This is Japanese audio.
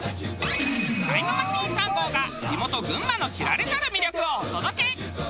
タイムマシーン３号が地元群馬の知られざる魅力をお届け。